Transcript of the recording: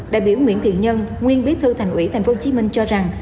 đại biểu nguyễn thiện nhân nguyên bí thư thành ủy tp hcm cho rằng